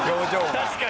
確かに。